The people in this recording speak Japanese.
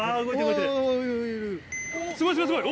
すごいすごいすごい！